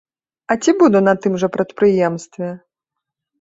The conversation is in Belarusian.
А ці буду на тым жа прадпрыемстве?